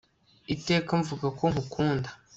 iteka mvuga ko nkukunda